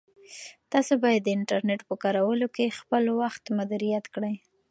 تاسو باید د انټرنیټ په کارولو کې خپل وخت مدیریت کړئ.